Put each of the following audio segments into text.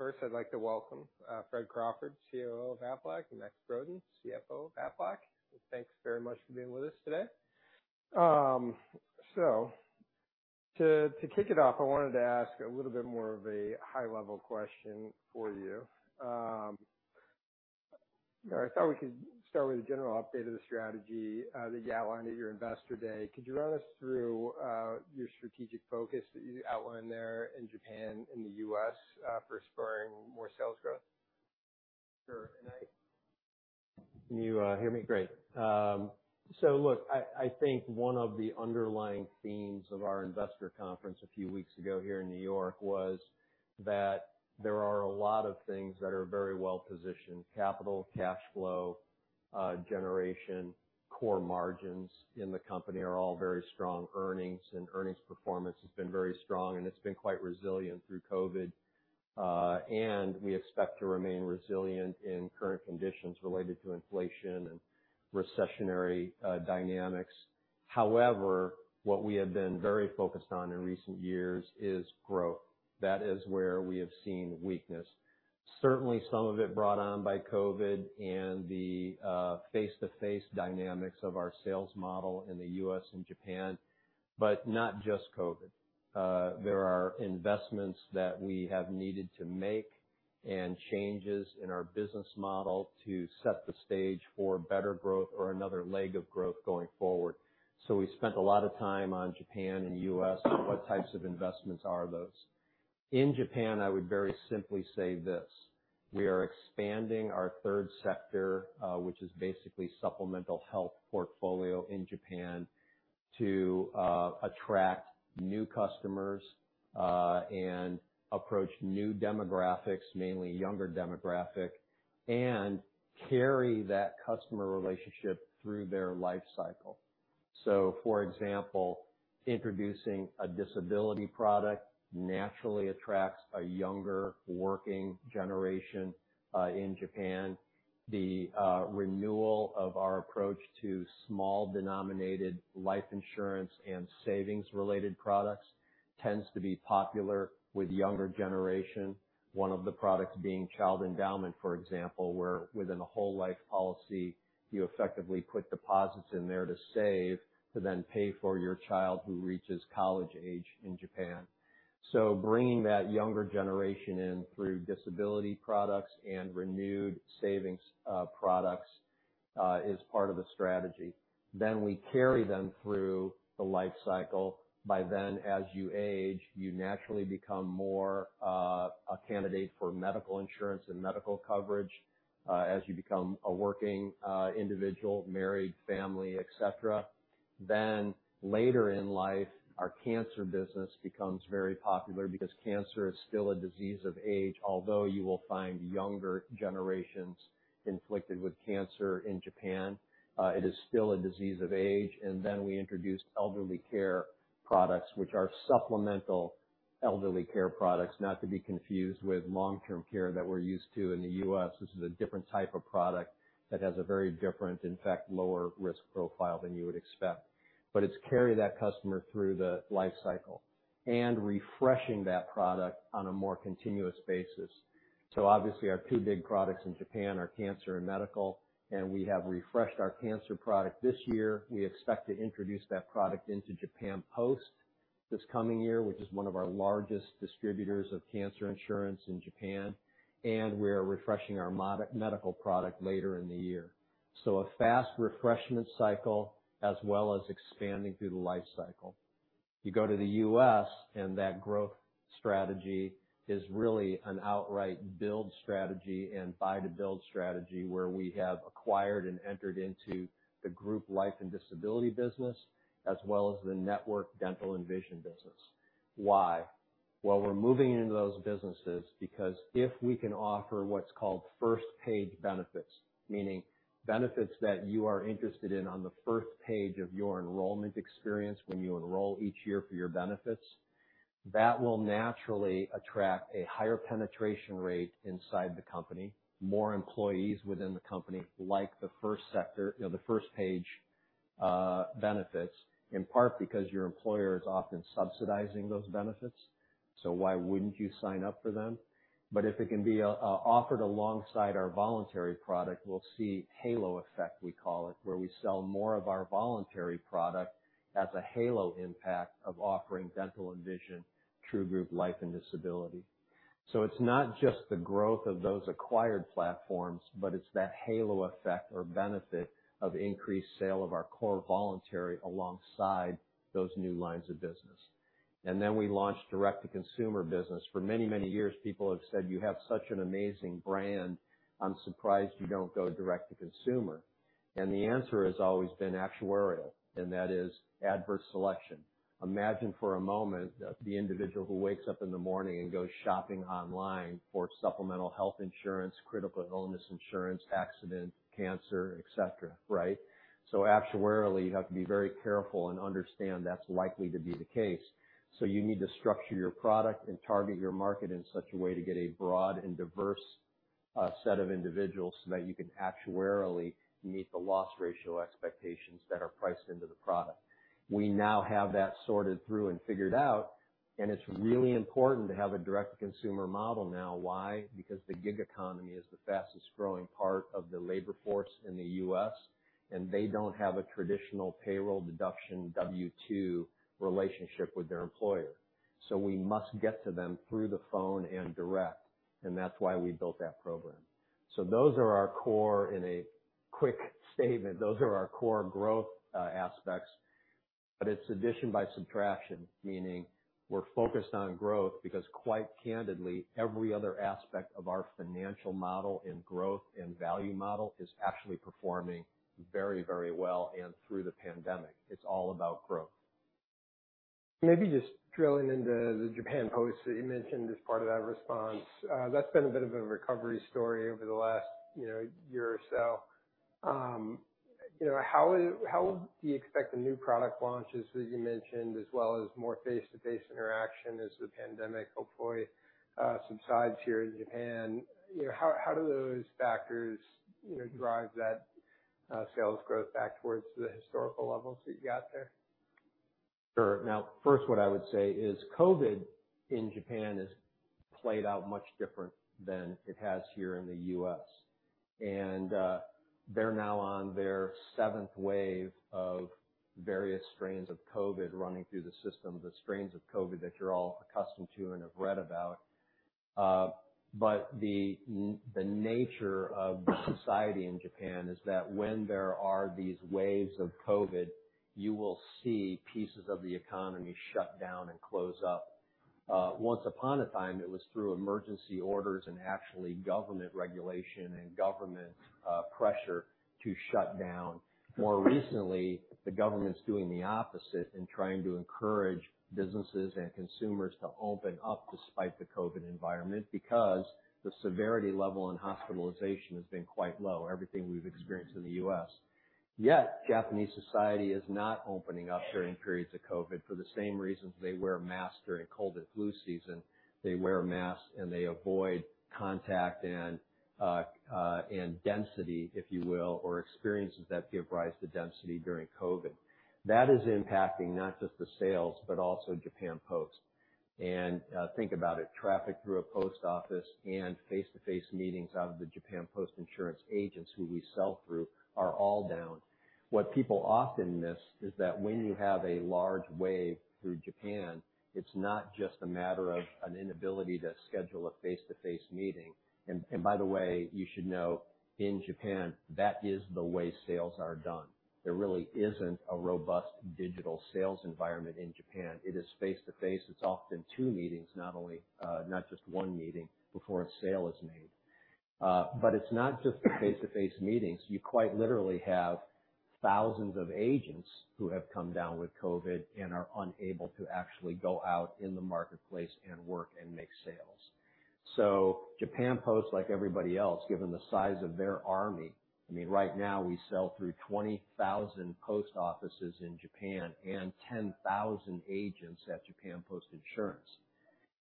First, I'd like to welcome Fred Crawford, COO of Aflac, and Max Broden, CFO of Aflac. Thanks very much for being with us today. To kick it off, I wanted to ask a little bit more of a high-level question for you. I thought we could start with a general update of the strategy that you outlined at your investor day. Could you run us through your strategic focus that you outlined there in Japan and the U.S. for spurring more sales growth? Sure. Can you hear me? Great. Look, I think one of the underlying themes of our investor conference a few weeks ago here in New York was that there are a lot of things that are very well positioned. Capital, cash flow generation, core margins in the company are all very strong. Earnings and earnings performance has been very strong, and it's been quite resilient through COVID. We expect to remain resilient in current conditions related to inflation and recessionary dynamics. However, what we have been very focused on in recent years is growth. That is where we have seen weakness. Certainly, some of it brought on by COVID and the face-to-face dynamics of our sales model in the U.S. and Japan, but not just COVID. There are investments that we have needed to make and changes in our business model to set the stage for better growth or another leg of growth going forward. We spent a lot of time on Japan and U.S. on what types of investments are those. In Japan, I would very simply say this. We are expanding our third sector, which is basically supplemental health portfolio in Japan to attract new customers and approach new demographics, mainly younger demographic, and carry that customer relationship through their life cycle. For example, introducing a disability product naturally attracts a younger working generation in Japan. The renewal of our approach to small denominated life insurance and savings related products tends to be popular with younger generation. One of the products being child endowment, for example, where within a whole life policy, you effectively put deposits in there to save to then pay for your child who reaches college age in Japan. Bringing that younger generation in through disability products and renewed savings products is part of the strategy. We carry them through the life cycle. By then, as you age, you naturally become more a candidate for medical insurance and medical coverage as you become a working individual, married, family, et cetera. Later in life, our cancer business becomes very popular because cancer is still a disease of age. Although you will find younger generations inflicted with cancer in Japan, it is still a disease of age. We introduced elderly care products, which are supplemental elderly care products, not to be confused with long-term care that we're used to in the U.S. This is a different type of product that has a very different, in fact, lower risk profile than you would expect. It's carry that customer through the life cycle and refreshing that product on a more continuous basis. Obviously our two big products in Japan are cancer and medical, and we have refreshed our cancer product this year. We expect to introduce that product into Japan Post this coming year, which is one of our largest distributors of cancer insurance in Japan. We are refreshing our medical product later in the year. A fast refreshment cycle as well as expanding through the life cycle. You go to the U.S. that growth strategy is really an outright build strategy and buy-to-build strategy where we have acquired and entered into the group life and disability business as well as the network dental and vision business. Why? We're moving into those businesses because if we can offer what's called first page benefits, meaning benefits that you are interested in on the first page of your enrollment experience when you enroll each year for your benefits, that will naturally attract a higher penetration rate inside the company. More employees within the company like the first page benefits, in part because your employer is often subsidizing those benefits. Why wouldn't you sign up for them? If it can be offered alongside our voluntary product, we'll see halo effect we call it, where we sell more of our voluntary product as a halo impact of offering dental and vision through group life and disability. It's not just the growth of those acquired platforms, but it's that halo effect or benefit of increased sale of our core voluntary alongside those new lines of business. We launched direct-to-consumer business. For many years, people have said, "You have such an amazing brand. I'm surprised you don't go direct-to-consumer." The answer has always been actuarial, and that is adverse selection. Imagine for a moment the individual who wakes up in the morning and goes shopping online for supplemental health insurance, critical illness insurance, accident, cancer, et cetera. Right? Actuarially, you have to be very careful and understand that's likely to be the case. You need to structure your product and target your market in such a way to get a broad and diverse A set of individuals so that you can actuarially meet the loss ratio expectations that are priced into the product. We now have that sorted through and figured out, and it's really important to have a direct-to-consumer model now. Why? Because the gig economy is the fastest-growing part of the labor force in the U.S., and they don't have a traditional payroll deduction W-2 relationship with their employer. We must get to them through the phone and direct, and that's why we built that program. Those are our core. In a quick statement, those are our core growth aspects, but it's addition by subtraction, meaning we're focused on growth because quite candidly, every other aspect of our financial model in growth and value model is actually performing very well and through the pandemic. It's all about growth. Maybe just drilling into the Japan Post that you mentioned as part of that response. That's been a bit of a recovery story over the last year or so. How do you expect the new product launches that you mentioned, as well as more face-to-face interaction as the pandemic hopefully subsides here in Japan? How do those factors drive that sales growth back towards the historical levels that you got there? Sure. Now, first, what I would say is COVID in Japan has played out much different than it has here in the U.S. They're now on their seventh wave of various strains of COVID running through the system, the strains of COVID that you're all accustomed to and have read about. The nature of the society in Japan is that when there are these waves of COVID, you will see pieces of the economy shut down and close up. Once upon a time, it was through emergency orders and actually government regulation and government pressure to shut down. More recently, the government's doing the opposite in trying to encourage businesses and consumers to open up despite the COVID environment because the severity level in hospitalization has been quite low, everything we've experienced in the U.S. Japanese society is not opening up during periods of COVID for the same reasons they wear a mask during cold and flu season. They wear a mask and they avoid contact and density, if you will, or experiences that give rise to density during COVID. That is impacting not just the sales, but also Japan Post. Think about it, traffic through a post office and face-to-face meetings out of the Japan Post Insurance agents who we sell through are all down. What people often miss is that when you have a large wave through Japan, it's not just a matter of an inability to schedule a face-to-face meeting. By the way, you should know, in Japan, that is the way sales are done. There really isn't a robust digital sales environment in Japan. It is face-to-face. It's often two meetings, not just one meeting before a sale is made. It's not just the face-to-face meetings. You quite literally have thousands of agents who have come down with COVID and are unable to actually go out in the marketplace and work and make sales. Japan Post, like everybody else, given the size of their army, right now, we sell through 20,000 post offices in Japan and 10,000 agents at Japan Post Insurance.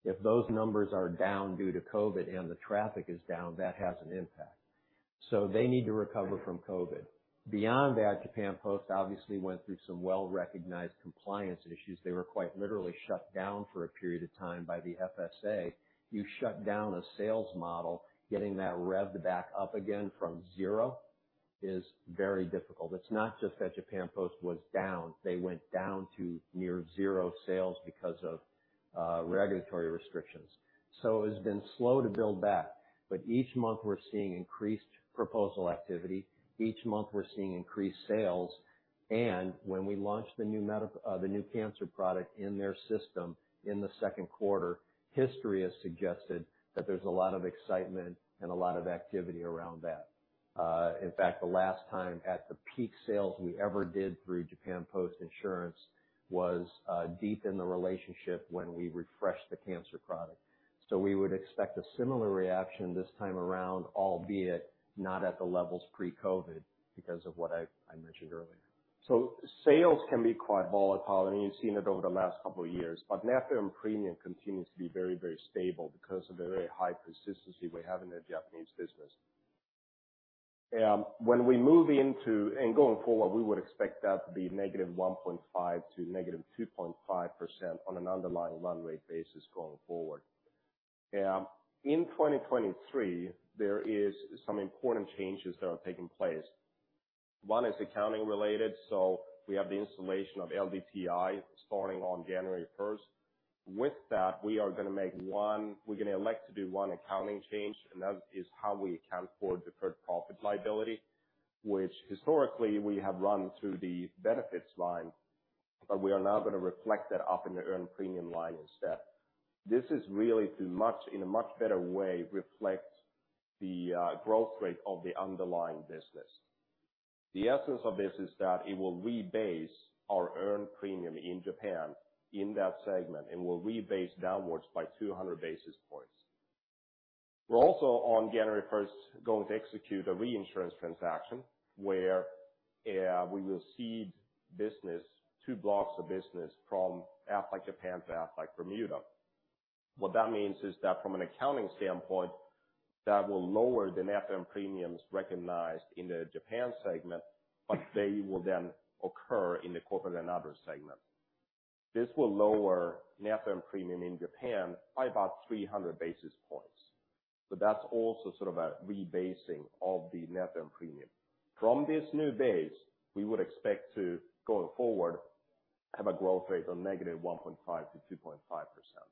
If those numbers are down due to COVID and the traffic is down, that has an impact. They need to recover from COVID. Beyond that, Japan Post obviously went through some well-recognized compliance issues. They were quite literally shut down for a period of time by the FSA. You shut down a sales model, getting that rev back up again from zero is very difficult. It's not just that Japan Post was down. They went down to near zero sales because of regulatory restrictions. It has been slow to build back. Each month, we're seeing increased proposal activity. Each month, we're seeing increased sales. When we launch the new cancer product in their system in the second quarter, history has suggested that there's a lot of excitement and a lot of activity around that. In fact, the last time at the peak sales we ever did through Japan Post Insurance was deep in the relationship when we refreshed the cancer product. We would expect a similar reaction this time around, albeit not at the levels pre-COVID because of what I mentioned earlier. Sales can be quite volatile, and you've seen it over the last couple of years. Net premium continues to be very stable because of the very high consistency we have in the Japanese business. When we move into and going forward, we would expect that to be -1.5% to -2.5% on an underlying run rate basis going forward. In 2023, there is some important changes that are taking place. One is accounting-related. We have the installation of LDTI starting on January 1st. With that, we're going to elect to do one accounting change, and that is how we account for deferred profit liability, which historically we have run through the benefits line, but we are now going to reflect that up in the earned premium line instead. This is really to, in a much better way, reflect the growth rate of the underlying business. The essence of this is that it will rebase our earned premium in Japan in that segment and will rebase downwards by 200 basis points. We are also on January 1st going to execute a reinsurance transaction where we will cede two blocks of business from Aflac Japan to Aflac Bermuda. What that means is that from an accounting standpoint, that will lower the net earned premiums recognized in the Japan segment, but they will then occur in the corporate and other segment. This will lower net earned premium in Japan by about 300 basis points, but that's also sort of a rebasing of the net earned premium. From this new base, we would expect to, going forward, have a growth rate of -1.5% to 2.5%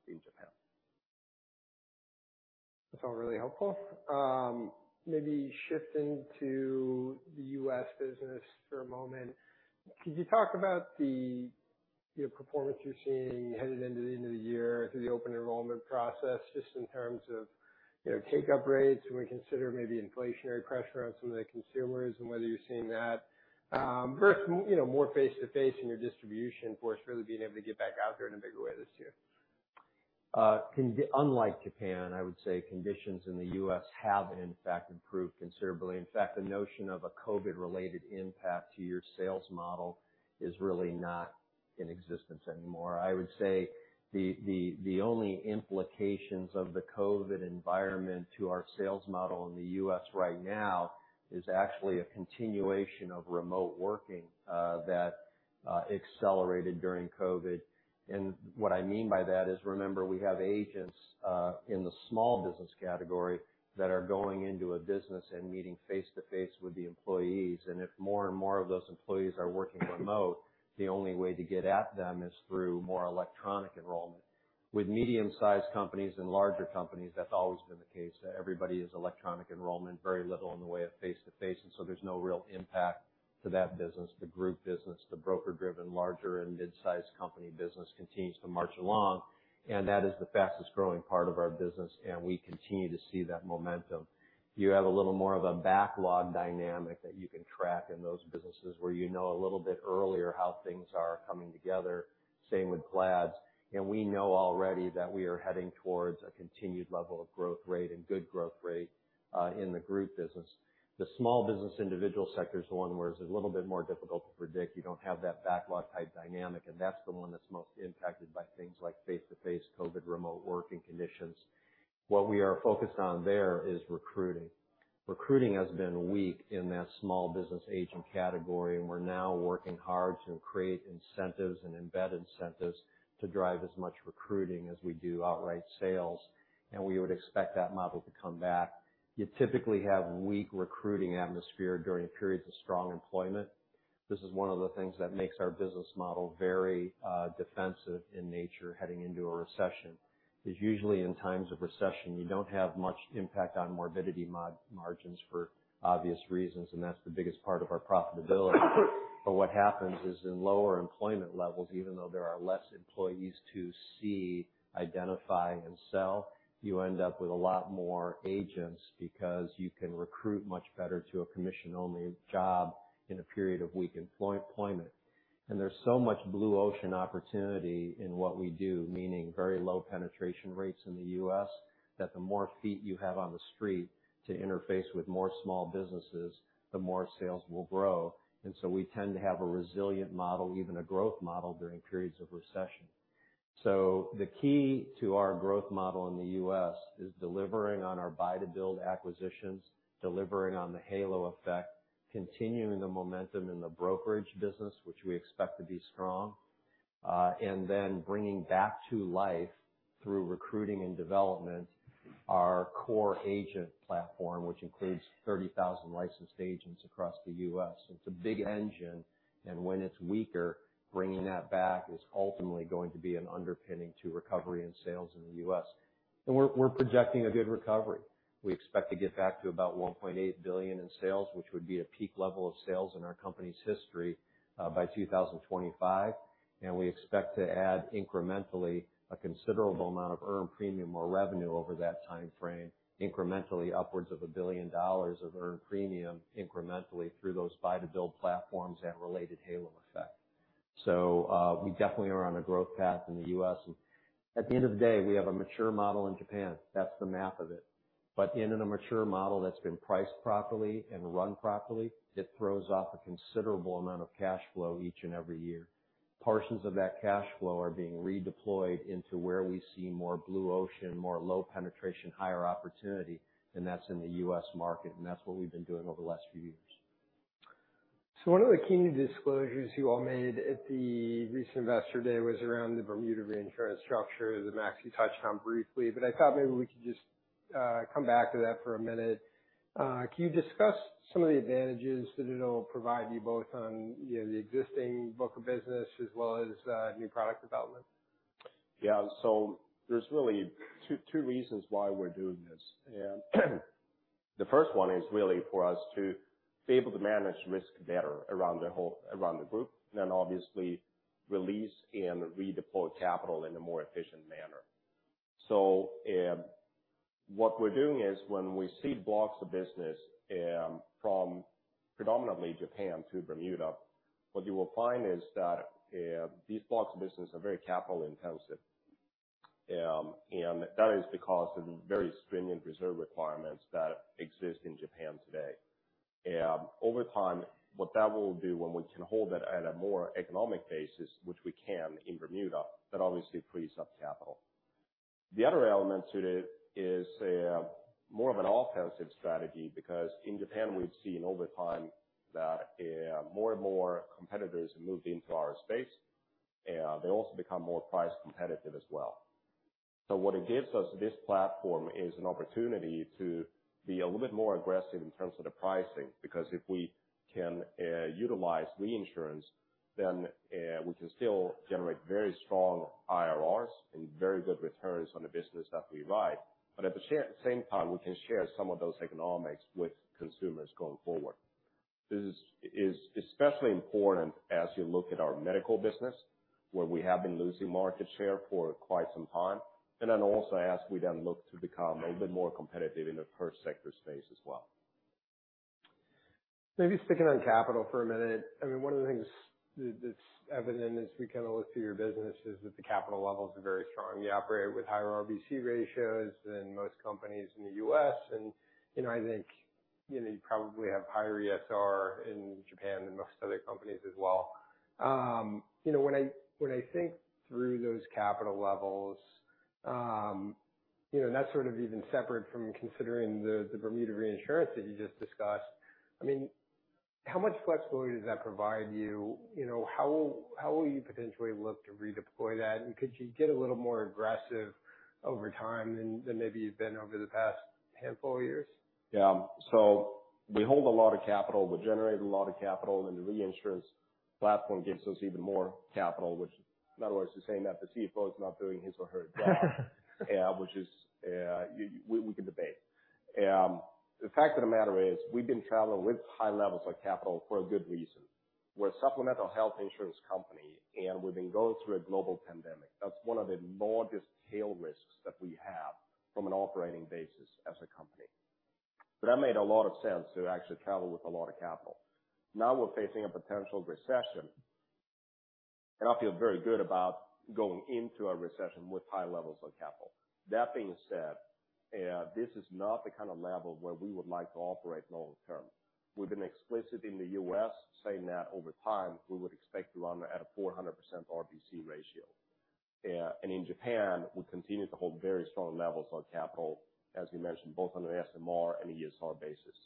in Japan. That's all really helpful. Maybe shifting to the U.S. business for a moment. Could you talk about the performance you're seeing headed into the end of the year through the open enrollment process, just in terms of take-up rates, and we consider maybe inflationary pressure on some of the consumers and whether you're seeing that versus more face-to-face in your distribution force really being able to get back out there in a bigger way this year? Unlike Japan, I would say conditions in the U.S. have, in fact, improved considerably. In fact, the notion of a COVID-related impact to your sales model is really not in existence anymore. I would say the only implications of the COVID environment to our sales model in the U.S. right now is actually a continuation of remote working that accelerated during COVID. What I mean by that is, remember, we have agents in the small business category that are going into a business and meeting face-to-face with the employees. If more and more of those employees are working remote, the only way to get at them is through more electronic enrollment. With medium-sized companies and larger companies, that's always been the case. Everybody is electronic enrollment, very little in the way of face-to-face, and so there's no real impact to that business. The group business, the broker-driven larger and mid-sized company business continues to march along, and that is the fastest-growing part of our business, and we continue to see that momentum. You have a little more of a backlog dynamic that you can track in those businesses where you know a little bit earlier how things are coming together. Same with GLAD. We know already that we are heading towards a continued level of growth rate and good growth rate, in the group business. The small business individual sector is the one where it's a little bit more difficult to predict. You don't have that backlog type dynamic, and that's the one that's most impacted by things like face-to-face COVID remote working conditions. What we are focused on there is recruiting. Recruiting has been weak in that small business agent category, we're now working hard to create incentives and embed incentives to drive as much recruiting as we do outright sales. We would expect that model to come back. You typically have weak recruiting atmosphere during periods of strong employment. This is one of the things that makes our business model very defensive in nature heading into a recession. Usually in times of recession, you don't have much impact on morbidity margins for obvious reasons, and that's the biggest part of our profitability. What happens is in lower employment levels, even though there are less employees to see, identify, and sell, you end up with a lot more agents because you can recruit much better to a commission-only job in a period of weak employment. There's so much blue ocean opportunity in what we do, meaning very low penetration rates in the U.S., that the more feet you have on the street to interface with more small businesses, the more sales will grow. We tend to have a resilient model, even a growth model, during periods of recession. The key to our growth model in the U.S. is delivering on our buy-to-build acquisitions, delivering on the halo effect, continuing the momentum in the brokerage business, which we expect to be strong. Bringing back to life through recruiting and development our core agent platform, which includes 30,000 licensed agents across the U.S. It's a big engine, and when it's weaker, bringing that back is ultimately going to be an underpinning to recovery and sales in the U.S. We're projecting a good recovery. We expect to get back to about $1.8 billion in sales, which would be a peak level of sales in our company's history, by 2025, and we expect to add incrementally a considerable amount of earned premium or revenue over that timeframe, incrementally upwards of $1 billion of earned premium incrementally through those buy-to-build platforms and related halo effect. We definitely are on a growth path in the U.S., and at the end of the day, we have a mature model in Japan. That's the math of it. At the end of the mature model that's been priced properly and run properly, it throws off a considerable amount of cash flow each and every year. Portions of that cash flow are being redeployed into where we see more blue ocean, more low penetration, higher opportunity, and that's in the U.S. market, and that's what we've been doing over the last few years. One of the key disclosures you all made at the recent Investor Day was around the Bermuda reinsurance structure that Max, you touched on briefly. I thought maybe we could just come back to that for a minute. Can you discuss some of the advantages that it'll provide you both on the existing book of business as well as new product development? Yeah. There's really two reasons why we're doing this. The first one is really for us to be able to manage risk better around the group, obviously release and redeploy capital in a more efficient manner. What we're doing is when we cede blocks of business from predominantly Japan to Bermuda, what you will find is that these blocks of business are very capital intensive. That is because of the very stringent reserve requirements that exist in Japan today. Over time, what that will do when we can hold it at a more economic basis, which we can in Bermuda, that obviously frees up capital. The other element to it is more of an offensive strategy, in Japan we've seen over time that more and more competitors have moved into our space, they also become more price competitive as well. What it gives us, this platform, is an opportunity to be a little bit more aggressive in terms of the pricing, because if we can utilize reinsurance, we can still generate very strong IRRs and very good returns on the business that we write. At the same time, we can share some of those economics with consumers going forward. This is especially important as you look at our medical business, where we have been losing market share for quite some time. Also as we then look to become a little bit more competitive in the third sector space as well. Maybe sticking on capital for a minute. One of the things that's evident as we look through your business is that the capital levels are very strong. You operate with higher RBC ratios than most companies in the U.S., and I think you probably have higher ESR in Japan than most other companies as well. When I think through those capital levels, and that's even separate from considering the Bermuda reinsurance that you just discussed. How much flexibility does that provide you? How will you potentially look to redeploy that, and could you get a little more aggressive over time than maybe you've been over the past handful of years? Yeah. We hold a lot of capital. We generate a lot of capital, the reinsurance platform gives us even more capital, which in other words, is saying that the CFO is not doing his or her job. Which we can debate. The fact of the matter is, we've been traveling with high levels of capital for a good reason. We're a supplemental health insurance company, we've been going through a global pandemic. That's one of the largest tail risks that we have from an operating basis as a company. That made a lot of sense to actually travel with a lot of capital. Now we're facing a potential recession, I feel very good about going into a recession with high levels of capital. That being said, this is not the kind of level where we would like to operate long term. We've been explicit in the U.S. saying that over time, we would expect to run at a 400% RBC ratio. In Japan, we continue to hold very strong levels of capital, as we mentioned, both on an SMR and ESR basis.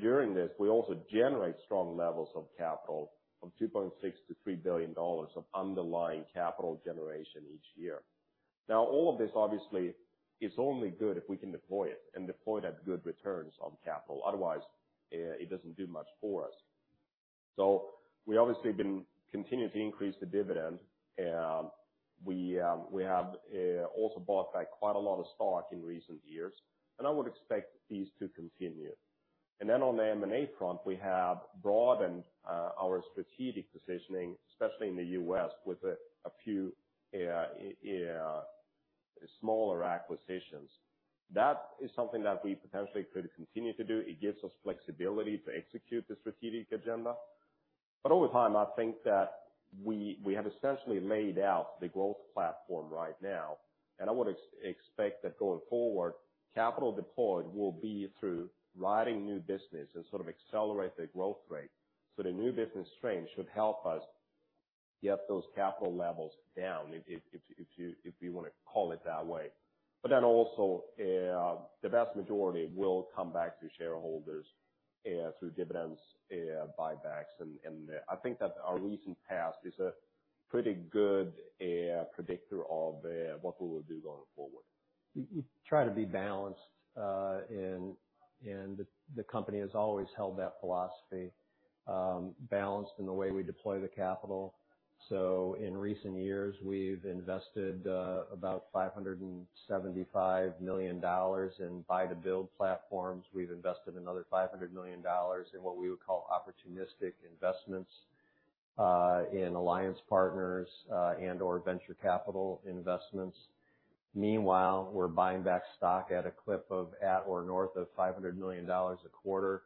During this, we also generate strong levels of capital of $2.6 billion-$3 billion of underlying capital generation each year. All of this obviously is only good if we can deploy it and deploy it at good returns on capital. Otherwise, it doesn't do much for us. We obviously continue to increase the dividend. We have also bought back quite a lot of stock in recent years, and I would expect these to continue. On the M&A front, we have broadened our strategic positioning, especially in the U.S., with a few smaller acquisitions. That is something that we potentially could continue to do. It gives us flexibility to execute the strategic agenda. Over time, I think that we have essentially laid out the growth platform right now, and I would expect that going forward, capital deployed will be through writing new business and accelerate the growth rate. The new business stream should help us get those capital levels down, if you want to call it that way. Also, the vast majority will come back to shareholders, through dividends, buybacks, and I think that our recent past is a pretty good predictor of what we will do going forward. You try to be balanced, and the company has always held that philosophy, balanced in the way we deploy the capital. In recent years, we've invested about $575 million in buy-to-build platforms. We've invested another $500 million in what we would call opportunistic investments, in alliance partners, and/or venture capital investments. Meanwhile, we're buying back stock at a clip of at or north of $500 million a quarter.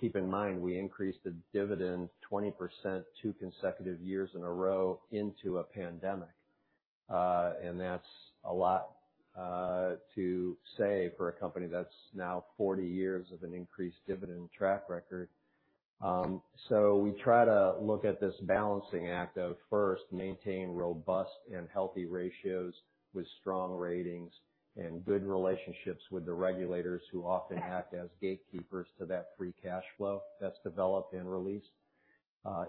Keep in mind, we increased the dividend 20% two consecutive years in a row into a pandemic. That's a lot to say for a company that's now 40 years of an increased dividend track record. We try to look at this balancing act of first maintain robust and healthy ratios with strong ratings and good relationships with the regulators who often act as gatekeepers to that free cash flow that's developed and released.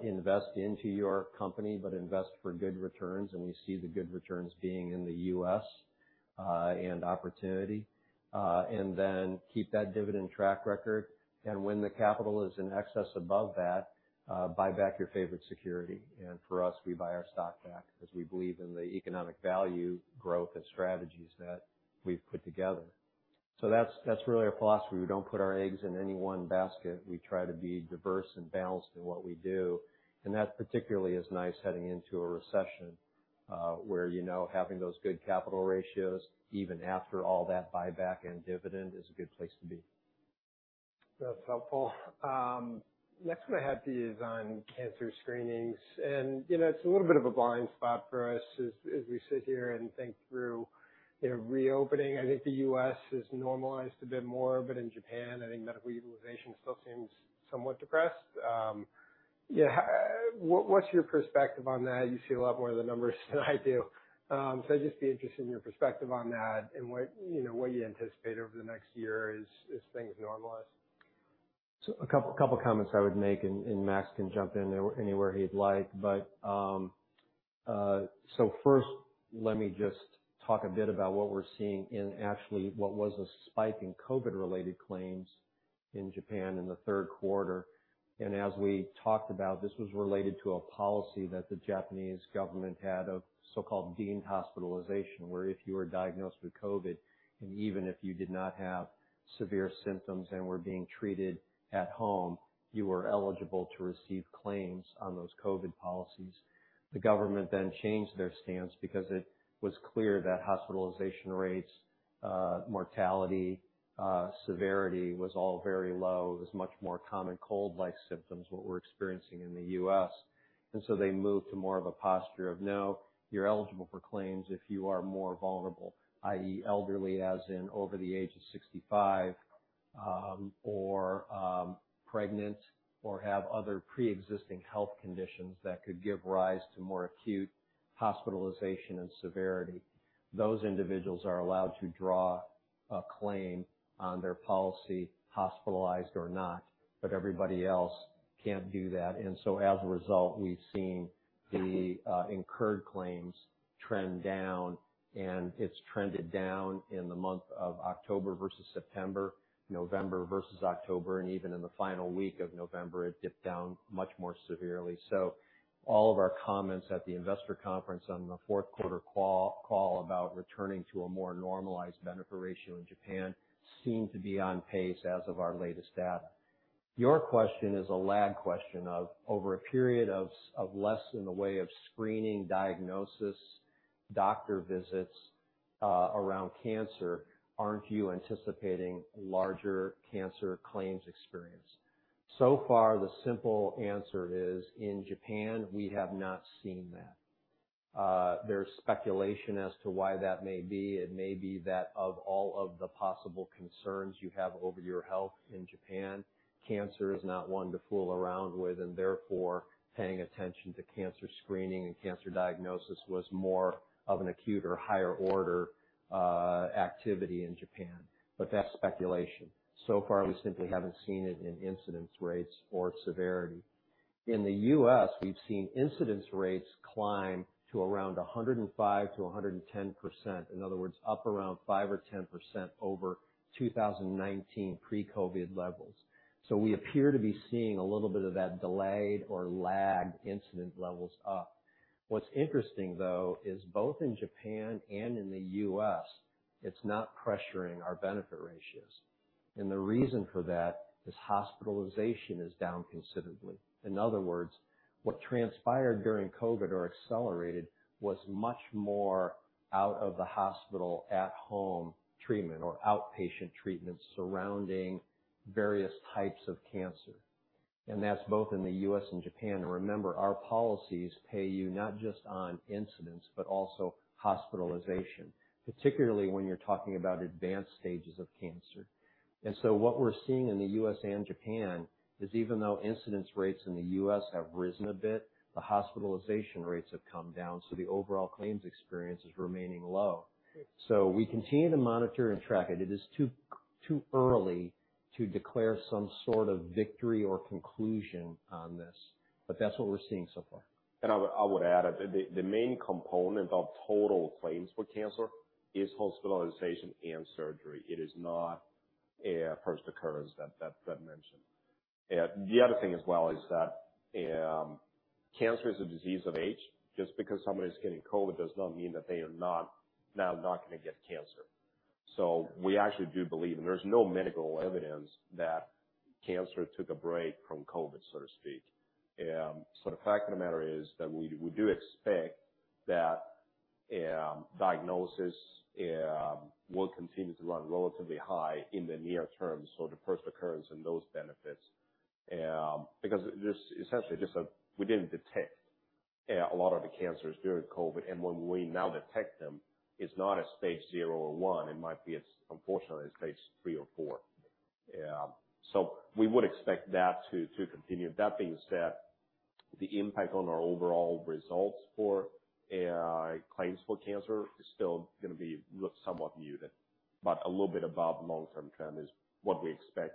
Invest into your company, but invest for good returns, and we see the good returns being in the U.S., and opportunity. Keep that dividend track record, and when the capital is in excess above that, buy back your favorite security. For us, we buy our stock back because we believe in the economic value growth and strategies that we've put together. That's really our philosophy. We don't put our eggs in any one basket. We try to be diverse and balanced in what we do. That particularly is nice heading into a recession, where having those good capital ratios, even after all that buyback and dividend, is a good place to be. That's helpful. Next one I had for you is on cancer screenings, and it's a little bit of a blind spot for us as we sit here and think through reopening. I think the U.S. has normalized a bit more, but in Japan, I think medical utilization still seems somewhat depressed. What's your perspective on that? You see a lot more of the numbers than I do, so I'd just be interested in your perspective on that and what you anticipate over the next year as things normalize. A couple of comments I would make, and Max can jump in anywhere he'd like. First let me just talk a bit about what we're seeing in actually what was a spike in COVID-related claims in Japan in the third quarter. As we talked about, this was related to a policy that the Japanese government had of so-called deemed hospitalization, where if you were diagnosed with COVID, and even if you did not have severe symptoms and were being treated at home, you were eligible to receive claims on those COVID policies. The government changed their stance because it was clear that hospitalization rates, mortality, severity was all very low. It was much more common cold-like symptoms, what we're experiencing in the U.S. They moved to more of a posture of, no, you're eligible for claims if you are more vulnerable, i.e., elderly, as in over the age of 65, or pregnant, or have other preexisting health conditions that could give rise to more acute hospitalization and severity. Those individuals are allowed to draw a claim on their policy, hospitalized or not, but everybody else can't do that. As a result, we've seen the incurred claims trend down, and it's trended down in the month of October versus September, November versus October, and even in the final week of November, it dipped down much more severely. All of our comments at the investor conference on the fourth quarter call about returning to a more normalized benefit ratio in Japan seem to be on pace as of our latest data. Your question is a lag question of, over a period of less in the way of screening, diagnosis, doctor visits around cancer, aren't you anticipating larger cancer claims experience? So far, the simple answer is, in Japan, we have not seen that. There's speculation as to why that may be. It may be that of all of the possible concerns you have over your health in Japan, cancer is not one to fool around with, and therefore paying attention to cancer screening and cancer diagnosis was more of an acute or higher order activity in Japan. That's speculation. So far, we simply haven't seen it in incidence rates or severity. In the U.S., we've seen incidence rates climb to around 105%-110%. In other words, up around 5% or 10% over 2019 pre-COVID levels. We appear to be seeing a little bit of that delayed or lagged incidence levels up. What's interesting, though, is both in Japan and in the U.S., it's not pressuring our benefit ratios, and the reason for that is hospitalization is down considerably. In other words, what transpired during COVID or accelerated was much more out of the hospital, at home treatment or outpatient treatment surrounding various types of cancer. That's both in the U.S. and Japan. Remember, our policies pay you not just on incidence, but also hospitalization, particularly when you're talking about advanced stages of cancer. What we're seeing in the U.S. and Japan is even though incidence rates in the U.S. have risen a bit, the hospitalization rates have come down, so the overall claims experience is remaining low. We continue to monitor and track it. It is too early to declare some sort of victory or conclusion on this, that's what we're seeing so far. I would add, the main component of total claims for cancer is hospitalization and surgery. It is not a first occurrence that mentioned. The other thing as well is that cancer is a disease of age. Just because somebody's getting COVID does not mean that they are now not going to get cancer. We actually do believe, and there's no medical evidence that cancer took a break from COVID, so to speak. The fact of the matter is that we do expect that diagnosis will continue to run relatively high in the near term. The first occurrence in those benefits, because essentially we didn't detect a lot of the cancers during COVID, and when we now detect them, it's not at stage 0 or 1. It might be, unfortunately, stage 3 or 4. We would expect that to continue. That being said, the impact on our overall results for claims for cancer is still going to be somewhat muted, but a little bit above long-term trend is what we expect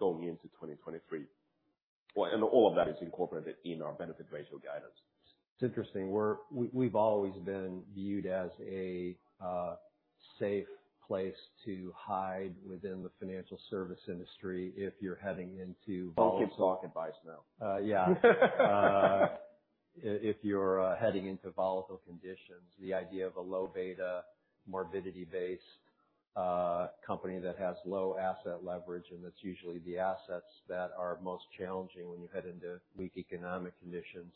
going into 2023. All of that is incorporated in our benefit ratio guidance. It's interesting. We've always been viewed as a safe place to hide within the financial services industry if you're heading into. Don't keep talking, guys, now. Yeah. If you're heading into volatile conditions, the idea of a low beta morbidity-based company that has low asset leverage, and that's usually the assets that are most challenging when you head into weak economic conditions.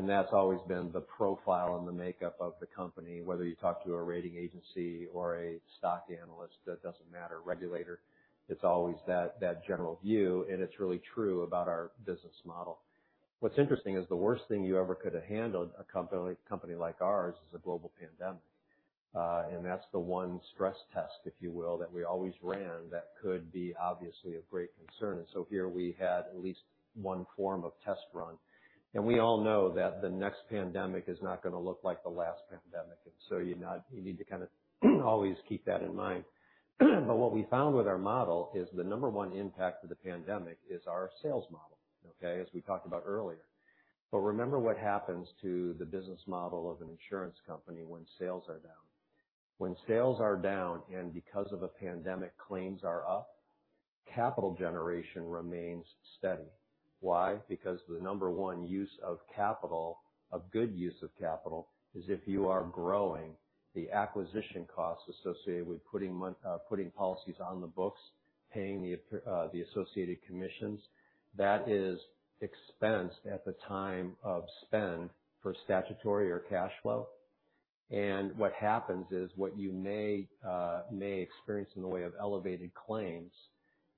That's always been the profile and the makeup of the company, whether you talk to a rating agency or a stock analyst, that doesn't matter, regulator, it's always that general view, and it's really true about our business model. What's interesting is the worst thing you ever could have handled, a company like ours, is a global pandemic. That's the one stress test, if you will, that we always ran that could be obviously of great concern. Here we had at least one form of test run. We all know that the next pandemic is not going to look like the last pandemic, so you need to kind of always keep that in mind. What we found with our model is the number one impact of the pandemic is our sales model, okay? As we talked about earlier. Remember what happens to the business model of an insurance company when sales are down. When sales are down and because of a pandemic, claims are up, capital generation remains steady. Why? Because the number one use of capital, of good use of capital, is if you are growing the acquisition costs associated with putting policies on the books, paying the associated commissions. That is expensed at the time of spend for statutory or cash flow. What happens is, what you may experience in the way of elevated claims,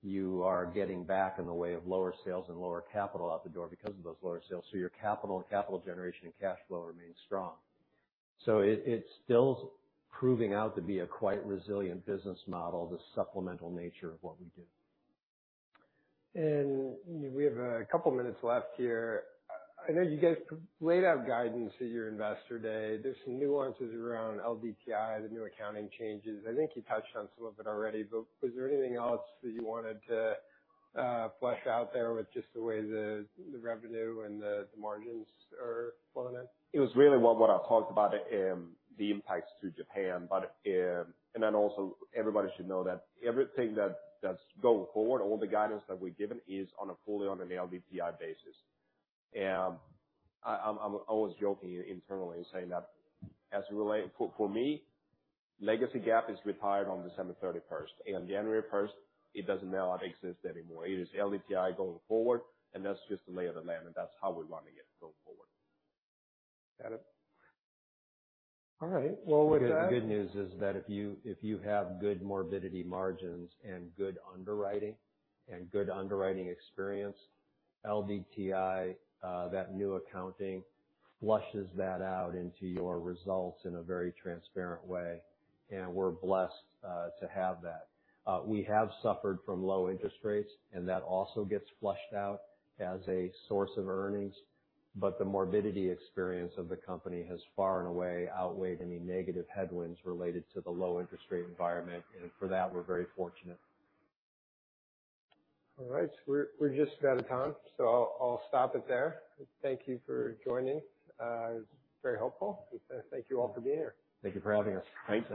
you are getting back in the way of lower sales and lower capital out the door because of those lower sales. Your capital and capital generation and cash flow remain strong. It's still proving out to be a quite resilient business model, the supplemental nature of what we do. We have a couple of minutes left here. I know you guys laid out guidance at your investor day. There's some nuances around LDTI, the new accounting changes. I think you touched on some of it already, but was there anything else that you wanted to flesh out there with just the way the revenue and the margins are falling in? It was really what I talked about, the impacts to Japan. Then also everybody should know that everything that's going forward, all the guidance that we've given is on a fully on an LDTI basis. I was joking internally saying that for me, legacy GAAP is retired on December 31st. On January 1st, it does not exist anymore. It is LDTI going forward and that's just the lay of the land and that's how we want to get going forward. Got it. All right. Well, with that- The good news is that if you have good morbidity margins and good underwriting, and good underwriting experience, LDTI, that new accounting flushes that out into your results in a very transparent way. We're blessed to have that. We have suffered from low interest rates, and that also gets flushed out as a source of earnings. The morbidity experience of the company has far and away outweighed any negative headwinds related to the low interest rate environment, and for that, we're very fortunate. All right. We're just about of time, I'll stop it there. Thank you for joining. It was very helpful. Thank you all for being here. Thank you for having us. Thanks.